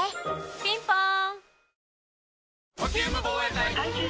ピンポーン